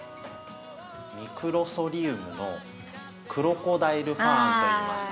ミクロソリウムのクロコダイルファーンといいます。